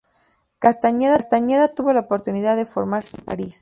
Castañeda tuvo la oportunidad de formarse en París.